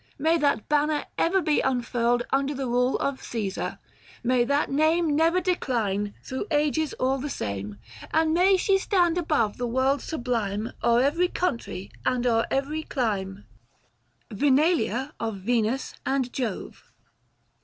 may that banner ever be unfurled Under the rule of Csesar ; may that name Never decline, through ages all the same ; And may she stand above the world sublime 1000 O'er every country and o'er every clime. IX. KAL. MAI. VINALIA OF VENUS AND JOVE.